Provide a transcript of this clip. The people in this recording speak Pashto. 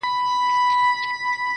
طبله، باجه، منگی، سیتار، رباب، ه یاره.